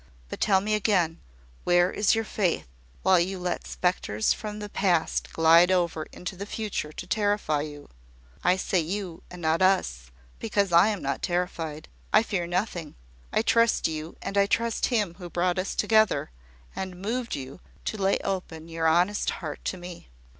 But tell me again where is your faith, while you let spectres from the past glide over into the future, to terrify you? I say `you' and not `us,' because I am not terrified. I fear nothing. I trust you, and I trust Him who brought us together, and moved you to lay open your honest heart to me."